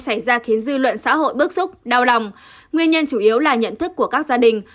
xảy ra khiến dư luận xã hội bức xúc đau lòng nguyên nhân chủ yếu là nhận thức của các gia đình